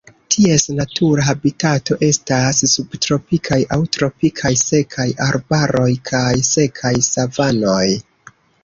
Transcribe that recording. Ties natura habitato estas subtropikaj aŭ tropikaj sekaj arbaroj kaj sekaj savanoj.